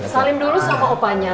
salim dulu sama opanya